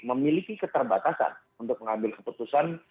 memiliki keterbatasan untuk mengambil keputusan